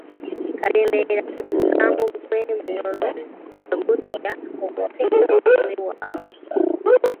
Kalemeera omusango gw'e Bunyoro yagutya okusinga ogw'ewaabwe.